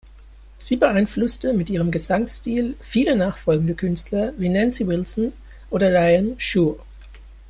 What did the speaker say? Sie beeinflusste mit ihrem Gesangsstil viele nachfolgende Künstler wie Nancy Wilson oder Diane Schuur.